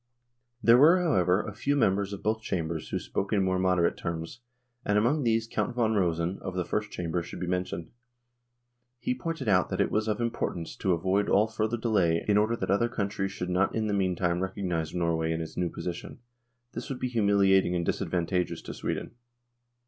There were, however, a few members of both Chambers who spoke in more moderate terms, and among these Count von Rosen, of the First Chamber, should be mentioned. He pointed out that it was of importance to avoid all further delay in order that other countries should not in the meantime recognise Norway in its new position. This would be humili ating and disadvantageous to Sweden.